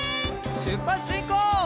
しゅっぱつしんこう！